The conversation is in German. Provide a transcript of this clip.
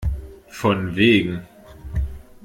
Von wegen!